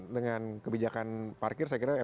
dengan kebijakan parkir saya kira